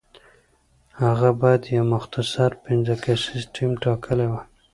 هغه باید یو مختصر پنځه کسیز ټیم ټاکلی وای.